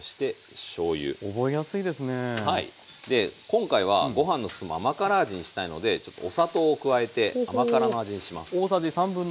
今回はご飯の進む甘辛味にしたいのでちょっとお砂糖を加えて甘辛の味にします。